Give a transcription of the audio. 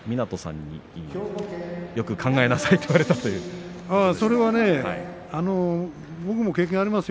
湊さんによく考えなさいと言われたそうです。